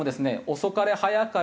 遅かれ早かれ